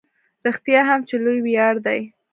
رښتیا هم چې لوی ویاړ دی.